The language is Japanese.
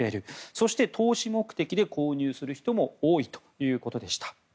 そして投資目的で購入する人も多いということでした。